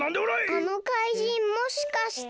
あのかいじんもしかして。